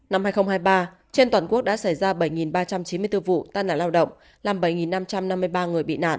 năm hai nghìn hai mươi ba trên toàn quốc đã xảy ra bảy ba trăm chín mươi bốn vụ tai nạn lao động làm bảy năm trăm năm mươi ba người bị nạn